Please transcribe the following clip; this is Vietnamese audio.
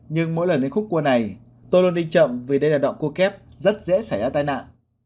nhưng mỗi lần lấy khúc cua này tôi luôn đi chậm vì đây là đạo cua kép rất dễ xảy ra tai nạn